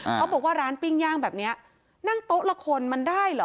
เขาบอกว่าร้านปิ้งย่างแบบเนี้ยนั่งโต๊ะละคนมันได้เหรอ